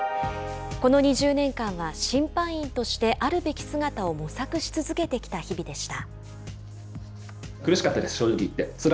この２０年間は審判員としてあるべき姿を模索し続けてきた日々でした。